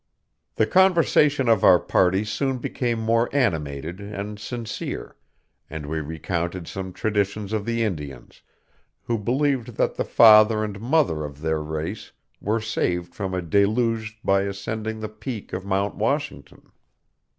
The conversation of our party soon became more animated and sincere, and we recounted some traditions of the Indians, who believed that the father and mother of their race were saved from a deluge by ascending the peak of Mount Washington.